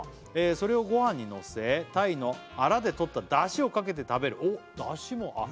「それをご飯にのせ」「鯛のアラでとった出汁をかけて食べる」おっ出汁もあっ